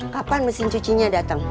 kapan mesin cucinya datang